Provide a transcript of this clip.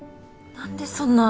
何でそんな。